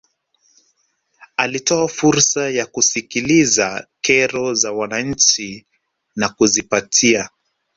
alitoa fursa ya kusikiliza kero za wananchi na kuzipatia